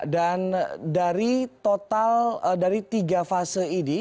dan dari total dari tiga fase ini